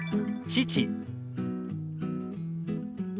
父。